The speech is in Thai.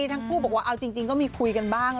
ทั้งคู่บอกว่าเอาจริงก็มีคุยกันบ้าง